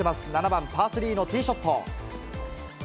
７番パー３のティーショット。